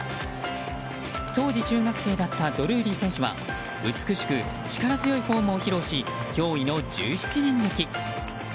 当時中学生だったドルーリー選手は美しく力強いフォームを披露し驚異の１７人抜き。